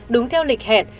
đúng theo lịch hẹn